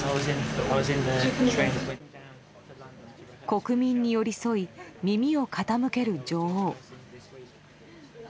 国民に寄り添い耳を傾ける女王。